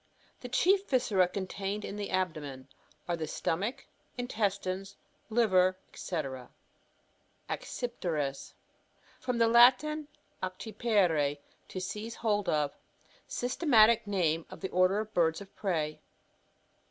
The chief, vidcera contained in the ab(iomen,g are the stomach, intestines, liver, &c. dec AcciPiTREs. — From the Latin acci pere^ to seize hold of. Systematic name of tiie order of birds of prey.